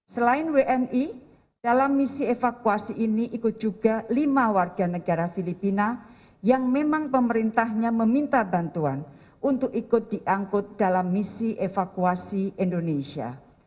selain wni dalam misi evakuasi ini ikut juga lima warga negara filipina yang memang pemerintahnya meminta bantuan untuk ikut diangkut dalam misi evakuasi indonesia